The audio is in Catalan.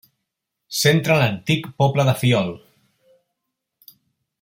Centra l'antic poble de Fiol.